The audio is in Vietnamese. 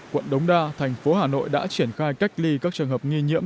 quận đống đa thành phố hà nội đã triển khai cách ly các trường hợp nghi nhiễm